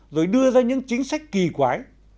rồi đưa ra những chính sách kỳ quái